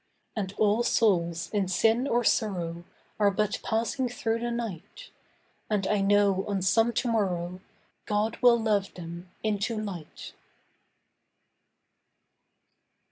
And all souls in sin or sorrow Are but passing through the night, And I know on some to morrow God will love them into light.